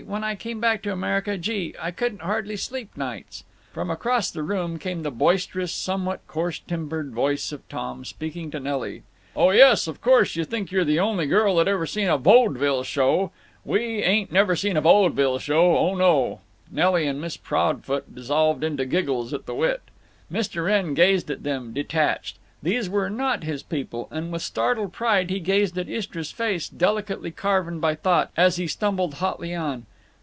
when I came back to America—gee!—I couldn't hardly sleep nights—" From across the room came the boisterous, somewhat coarse timbred voice of Tom, speaking to Nelly: "Oh yes, of course you think you're the only girl that ever seen a vodville show. We ain't never seen a vodville show. Oh no!" Nelly and Miss Proudfoot dissolved in giggles at the wit. Mr. Wrenn gazed at them, detached; these were not his people, and with startled pride he glanced at Istra's face, delicately carven by thought, as he stumbled hotly on.